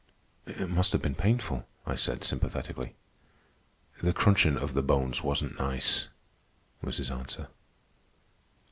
"It must have been painful," I said sympathetically. "The crunchin' of the bones wasn't nice," was his answer.